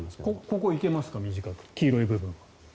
ここ行けますか短いところ、黄色い部分。